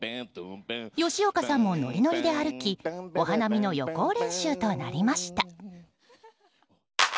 吉岡さんもノリノリで歩きお花見の予行練習となりました。